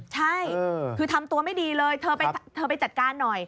ใช่คือทำตัวไม่ดีเลยเธอไปจัดการหน่อย